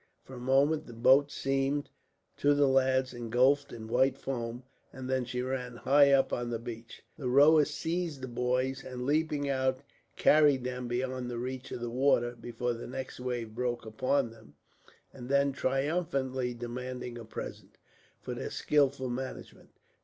For a moment the boat seemed, to the lads, engulfed in white foam; and then she ran high up upon the beach. The rowers seized the boys and, leaping out, carried them beyond the reach of the water, before the next wave broke upon them; and then triumphantly demanded a present, for their skilful management.